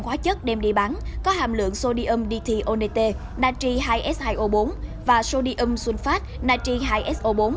hóa chất đem đi bán có hàm lượng sodium dithionate và sodium sulfate